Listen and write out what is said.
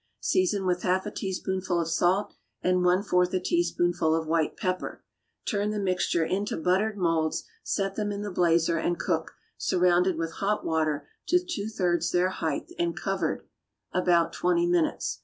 Season with half a teaspoonful of salt and one fourth a teaspoonful of white pepper. Turn the mixture into buttered moulds, set them in the blazer, and cook, surrounded with hot water to two thirds their height and covered, about twenty minutes.